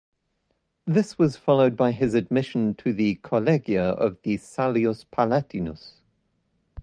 This was followed by his admission to the "collegia" of the "Salius Palatinus".